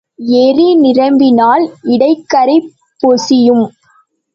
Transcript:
ஏரி நிரம்பினால் இடைக்கரை பொசியும்.